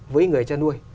với người chăn nuôi